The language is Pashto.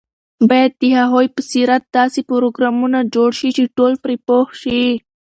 باید د هغوی په سیرت داسې پروګرامونه جوړ شي چې ټول پرې پوه شي.